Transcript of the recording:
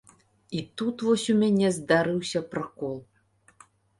І тут вось у мяне здарыўся пракол.